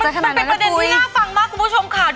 แอร์โหลดแล้วคุณล่ะโหลดแล้ว